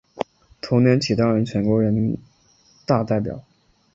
同年起担任全国人大代表。